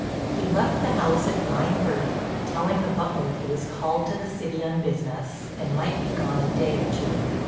He left the house at nine thirty, telling the butler he was called to the city on business, and might be gone a day or two.